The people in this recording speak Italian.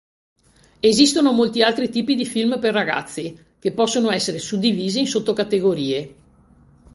Esistono molti altri tipi di "film per ragazzi", che possono essere suddivisi in sottocategorie.